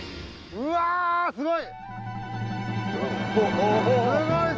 うわすごい！